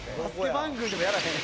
番組でもやらへん。